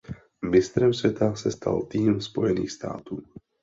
Mistrem světa se stal tým Spojených států.